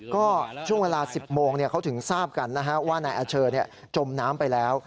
ก็ช่วงเวลา๑๐โมงเขาถึงทราบกันนะฮะว่านายอาเชอจมน้ำไปแล้ว